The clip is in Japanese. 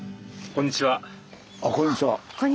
こんにちは。